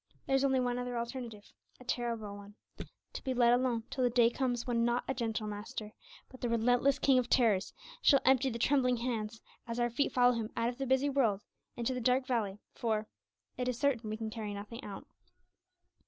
There is only one other alternative, a terrible one, to be let alone till the day comes when not a gentle Master, but the relentless king of terrors shall empty the trembling hands as our feet follow him out of the busy world into the dark valley, for 'it is certain we can carry nothing out.'